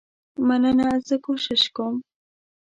مننه زه کوشش کوم.